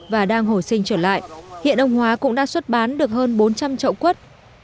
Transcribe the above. và đang hồi sinh trở lại hiện ông hóa cũng đã xuất bán được hơn bốn trăm linh trậu quất